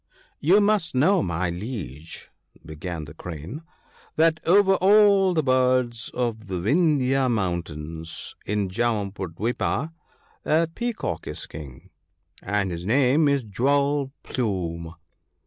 * You must know, my Liege,' began the Crane, * that over all the birds of the Vindhya mountains ( 75 ) in Jam budwipa ( 76 ) a Peacock is King, and his name is " Jewel plume."